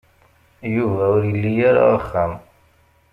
Yuba ur ili ara axxam.